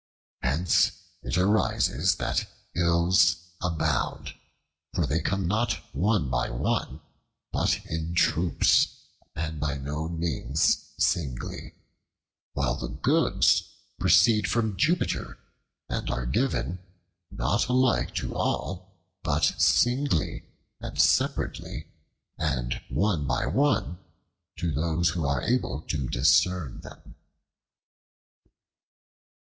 Hence it arises that Ills abound, for they come not one by one, but in troops, and by no means singly: while the Goods proceed from Jupiter, and are given, not alike to all, but singly, and separately; and one by one to those who are able to discern them.